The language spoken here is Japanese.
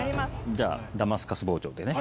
じゃあダマスカス包丁でね。